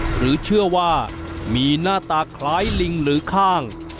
หรือเชื่อว่ามีหน้าตาคล้ายลิงหรือข้าง